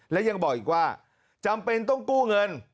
และยังบอกอีกว่าจำเป็นต้องกู้เงิน